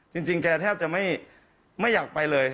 จริงแกแทบจะไม่อยากไปเลย